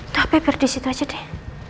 tapi biar di situ aja deh